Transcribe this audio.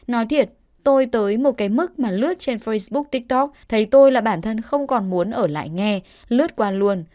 nói thiệt tôi tới một cái mức mà lướt trên facebook tiktok thấy tôi là bản thân không còn muốn ở lại nghe lướt qua luôn